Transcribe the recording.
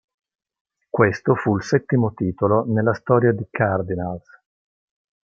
Questo fu il settimo titolo nella storia di Cardinals.